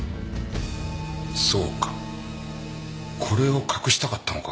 そうかこれを隠したかったのか。